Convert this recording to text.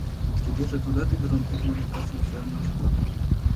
Тугеже тудат ӱдырым путлымо касым сӱанлан шотла.